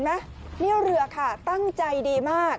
แล้วเห็นแล้วข้าตั้งใจดีมาก